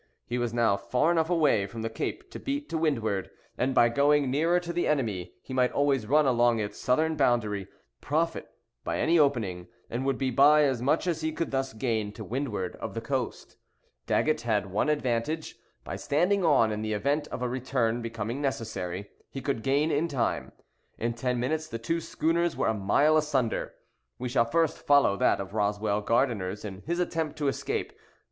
He was now far enough away from the cape to beat to windward; and, by going nearer to the enemy, he might always run along its southern boundary, profit by any opening, and would be by as much as he could thus gain, to windward of the coast. Daggett had one advantage: by standing on, in the event of a return becoming necessary, he could gain in time. In ten minutes the two schooners were a mile asunder. We shall first follow that of Roswell Gardiner's in his attempt to escape.